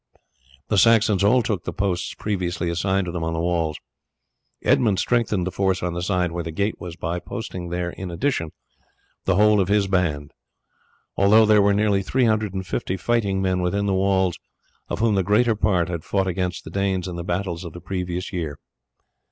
The Saxons all took the posts previously assigned to them on the walls. Edmund strengthened the force on the side where the gate was by posting there in addition the whole of his band. Altogether there were nearly 350 fighting men within the walls, of whom the greater part had fought against the Danes in the battles of the previous year.